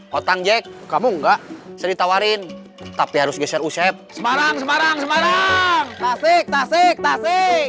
potong jack kamu nggak ditawarin tapi harus geser geser semarang semarang tasik tasik tasik